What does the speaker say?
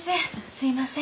すいません。